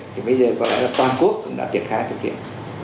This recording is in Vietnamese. thì bây giờ có lẽ là toàn quốc cũng đã triển khai thực hiện